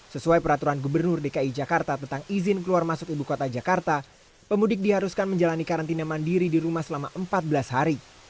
sesuai peraturan gubernur dki jakarta tentang izin keluar masuk ibu kota jakarta pemudik diharuskan menjalani karantina mandiri di rumah selama empat belas hari